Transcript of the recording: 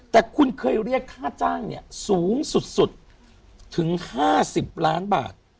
แต่คุณเคยเรียกค่าจ้างเนี่ยสูงสุดถึง๕๐ล้านบาท